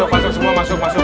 masuk semua masuk masuk